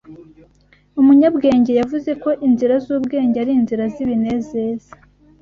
Umunyabwenge yavuze ko inzira z’ubwenge ari inzira z’ibinezeza